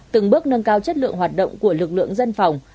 từng bước nâng cao chất lượng hoạt động của lực lượng dân phòng